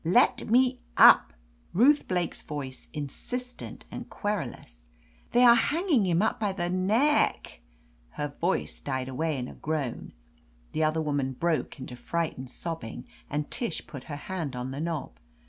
'Tret me up !" Ruth Blake's voice, insistent and querulous. "They are hanging him up by the neck —" her voice died away in a groan. The other woman broke into frightened sob bing, and Tish put her hand on the knob.